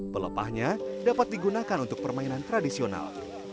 pelepahnya dapat digunakan untuk permainan tradisional